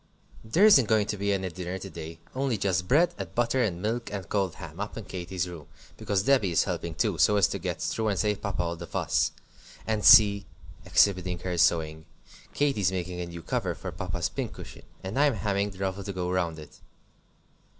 There isn't going to be any dinner today, only just bread and butter, and milk, and cold ham, up in Katy's room, because Debby is helping too, so as to get through and save Papa all the fuss. And see," exhibiting her sewing, "Katy's making a new cover for Papa's pincushion, and I'm hemming the ruffle to go round it."